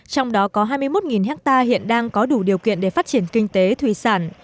trong đó có hai mươi một ha hiện đang có đủ điều kiện để phát triển kinh tế thủy sản